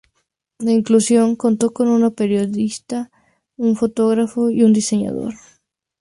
La inclusión contó con una periodista, un fotógrafo y un diseñador.